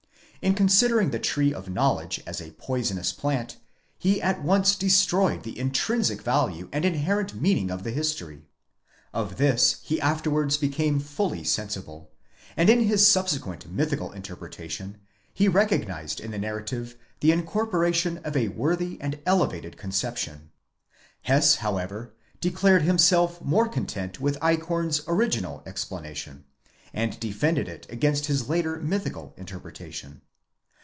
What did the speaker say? In considering the tree of knowledge as a poisonous plant, he at once destroyed the intrinsic value and inherent meaning of the history ; of this he afterwards became fully sensible, and in his subsequent mythical interpreta tion, he recognized in the narrative the incorporation of a worthy and elevated conception. Hess however declared himself more content with Eichhorn's original explanation, and defended it against his Jater mythical interpretation.